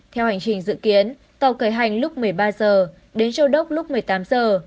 theo hành trình dự kiến tàu khởi hành lúc một mươi ba giờ đến châu đốc lúc một mươi tám giờ